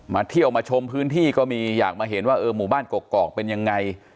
เที่ยวมาชมพื้นที่ก็มีอยากมาเห็นว่าเออหมู่บ้านกอกเป็นยังไง